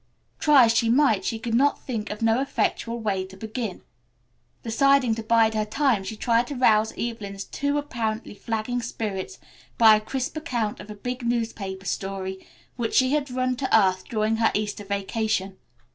Try as she might she could think of no effectual way to begin. Deciding to bide her time she tried to rouse Evelyn's too apparently flagging spirits by a crisp account of a big newspaper story which she had run to earth during her Easter vacation.